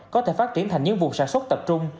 có thể phát triển thành những vùng sản xuất tập trung